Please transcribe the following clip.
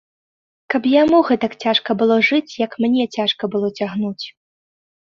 Каб яму гэтак цяжка было жыць, як мне цяжка было цягнуць.